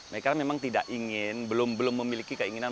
mereka memang tidak ingin belum memiliki keinginan